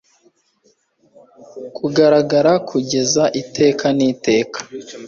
kugaragara kugeza iteka n'iteka.